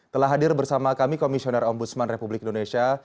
telah hadir bersama kami komisioner om budsman republik indonesia